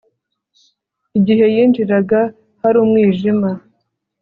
Igihe yinjiraga hari umwijima